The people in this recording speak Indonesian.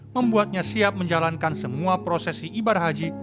membuatnya siap menjalankan semua prosesi ibarat haji